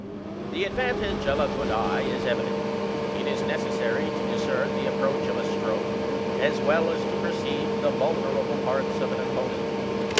The advantage of a good eye is evident ; it is necessary to discern the approach of a stroke, as well as to perceive the vulnerable parts of an opponent.